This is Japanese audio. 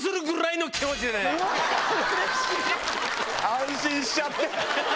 安心しちゃって。